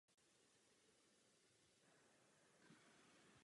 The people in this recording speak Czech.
Je nejvyšší čas znovu rozsvítit hvězdy.